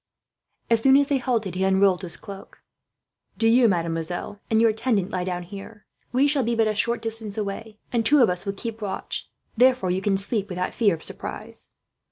As soon as they halted, he unrolled his cloak. "Do you, mademoiselle, and your attendant lie down here. We shall be but a short distance away, and two of us will keep watch; therefore you can sleep without fear of surprise."